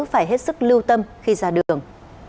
phải hết sức lưu tâm khi ra đường